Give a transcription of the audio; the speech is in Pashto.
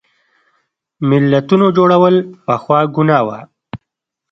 ملتونو جوړول پخوا ګناه وه.